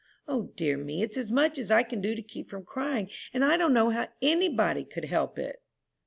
O dear me, it's as much as I can do to keep from crying, and I don't know how any body could help it!"